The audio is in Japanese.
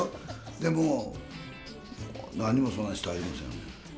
でも、何もそんなしてはりませんよね。